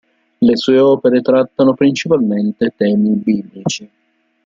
Le sue opere trattano principalmente temi biblici.